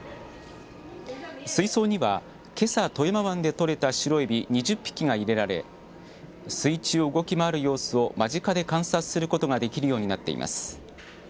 水槽には、けさ富山湾で取れたシロエビ２０匹が入れられ水中を動き回る様子を間近で観察することができるようになっています。